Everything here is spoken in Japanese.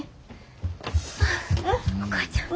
ああお母ちゃん。